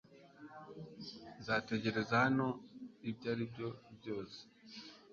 Nzategereza hano ibyo ari byo byose